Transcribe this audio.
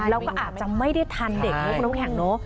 แล้วก็อาจจะไม่ได้ทันเด็กเนาะครับคุณพ่ายนะ